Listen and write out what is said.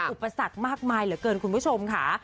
อุปสรรคมากมายเหลือเกินคุณผู้ชมค่ะ